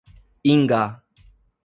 Ingá